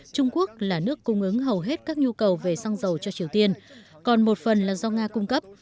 trung quốc là nước cung ứng hầu hết các nhu cầu về xăng dầu cho triều tiên còn một phần là do nga cung cấp